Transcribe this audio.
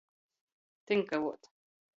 Tynkavuot.